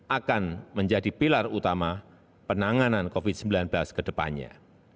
akan menjadi pilar utama penanganan covid sembilan belas ke depannya